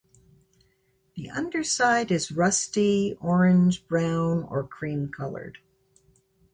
The underside is rusty, orange, brown, or cream colored.